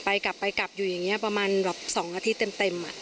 กลับไปกลับอยู่อย่างนี้ประมาณแบบ๒อาทิตย์เต็ม